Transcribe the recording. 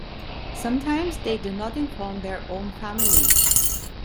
Sometimes they do not inform their own families.